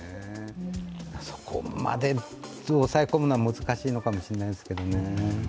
そこまで抑え込むのは難しいかもしれないですけどね。